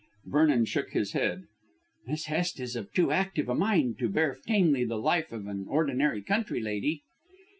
Vernon shook his head. "Miss Hest is of too active a mind to bear tamely the life of an ordinary country lady."